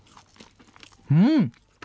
うん！